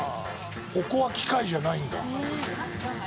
「ここは機械じゃないんだ」